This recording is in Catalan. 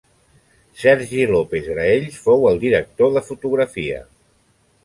Sergi López Graells fou el director de fotografia.